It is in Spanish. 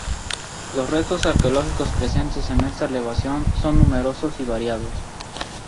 Los restos arqueológicos presentes en esta elevación son numerosos y variados.